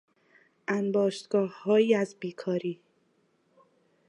انباشتگاههایی از بیکاری